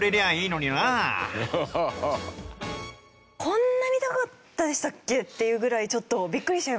こんなに高かったでしたっけ？っていうぐらいちょっとビックリしちゃいました。